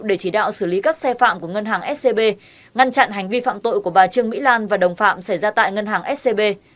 để chỉ đạo xử lý các xe phạm của ngân hàng scb ngăn chặn hành vi phạm tội của bà trương mỹ lan và đồng phạm xảy ra tại ngân hàng scb